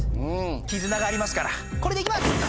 絆がありますからこれでいきます。